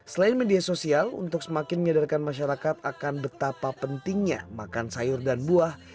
selain media sosial untuk semakin menyadarkan masyarakat akan betapa pentingnya makan sayur dan buah